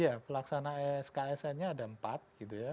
iya pelaksana sksn nya ada empat gitu ya